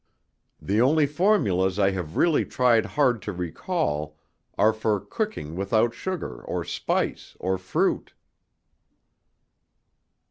The only formulas I have really tried hard to recall are for cooking without sugar, or spice, or fruit."